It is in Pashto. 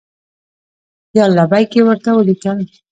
یا لبیک! یې ورته ولیکل.